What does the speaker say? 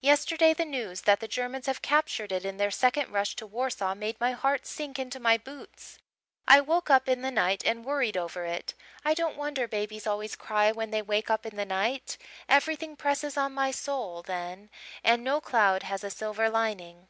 Yesterday the news that the Germans have captured it in their second rush to Warsaw made my heart sink into my boots. I woke up in the night and worried over it. I don't wonder babies always cry when they wake up in the night. Everything presses on my soul then and no cloud has a silver lining."